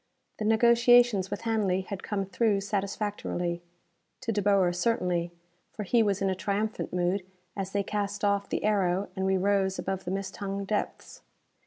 The negotiations with Hanley had come through satisfactorily; to De Boer, certainly, for he was in a triumphant mood as they cast off the aero and we rose over the mist hung depths.